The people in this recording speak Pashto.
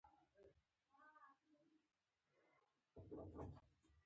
ورور ته د هرې بریا مبارکي ورکوې.